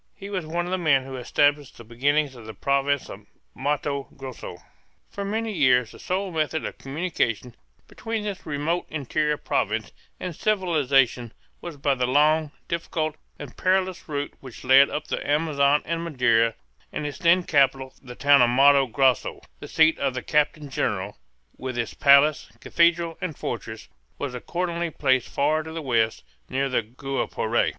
He was one of the men who established the beginnings of the province of Matto Grosso. For many years the sole method of communication between this remote interior province and civilization was by the long, difficult, and perilous route which led up the Amazon and Madeira; and its then capital, the town of Matto Grosso, the seat of the captain general, with its palace, cathedral, and fortress, was accordingly placed far to the west, near the Guapore.